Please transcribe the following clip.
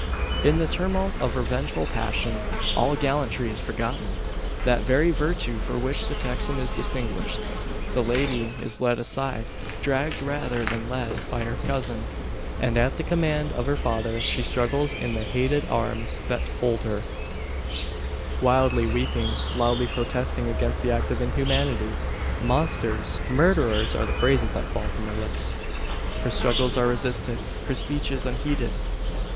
In the tumult of revengeful passion, all gallantry is forgotten, that very virtue for which the Texan is distinguished. The lady is led aside dragged rather than led by her cousin, and at the command of her father. She struggles in the hated arms that hold her wildly weeping, loudly protesting against the act of inhumanity. "Monsters! murderers!" are the phrases that fall from her lips. Her struggles are resisted; her speeches unheeded.